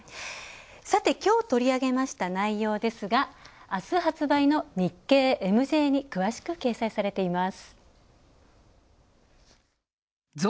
さて、きょう取り上げました内容ですがあす発売の「日経ＭＪ」に詳しく掲載されています。